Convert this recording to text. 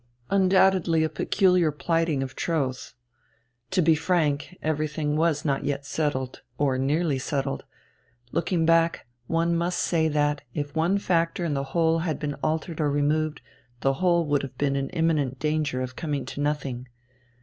Undoubtedly a peculiar plighting of troth. To be frank, everything was not yet settled, or nearly settled. Looking back, one must say that, if one factor in the whole had been altered or removed, the whole would have been in imminent danger of coming to nothing.